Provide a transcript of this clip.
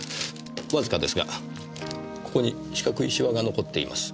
わずかですがここに四角いシワが残っています。